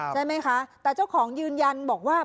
ใช่ไหมคะแต่เจ้าของยืนยันบอกว่า